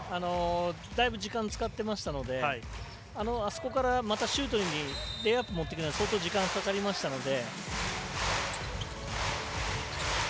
だいぶ時間使っていましたのであそこから、またレイアップ持っていくのに相当時間かかりましたので。